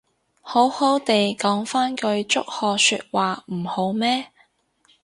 好好哋講返句祝賀說話唔好咩